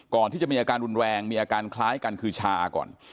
ก่อนที่จะมีอาการรุนแรงมีอาการคล้ายกันคือชาก่อน